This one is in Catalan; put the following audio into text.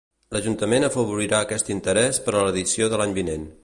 L'Ajuntament afavorirà aquest interès per a l'edició de l'any vinent.